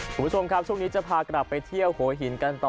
คุณผู้ชมครับช่วงนี้จะพากลับไปเที่ยวหัวหินกันต่อ